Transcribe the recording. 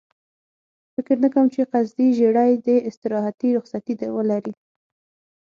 فکر نه کوم چې قصدي ژېړی دې استراحتي رخصتي ولري.